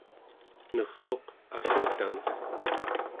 ner'uq akutamek